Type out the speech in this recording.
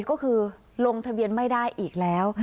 ก็คือลงทะเบียนไม่ได้อีกแล้ว